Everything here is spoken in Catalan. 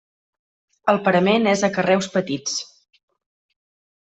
El parament és de carreus petits.